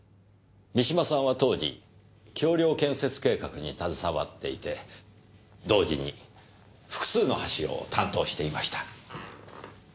三島さんは当時橋梁建設計画に携わっていて同時に複数の橋を担当していました。